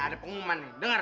ada pengumuman nih dengar